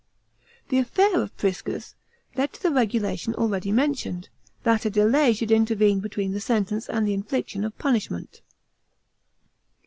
This affair of Prisons led to the regulation already mentioned, that a delay should intervene between the sentence and the infliction of punishment.